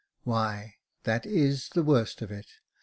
" Why, that is the worst of it.